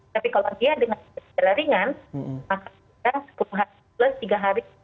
tapi kalau dia dengan gejala ringan maka kita sepuluh hari plus tiga hari